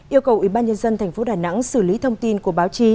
yêu cầu ủy ban nhân dân tp đà nẵng xử lý thông tin của báo chí